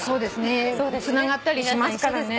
つながったりしますからね。